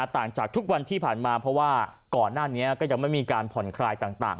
ต่างจากทุกวันที่ผ่านมาเพราะว่าก่อนหน้านี้ก็ยังไม่มีการผ่อนคลายต่าง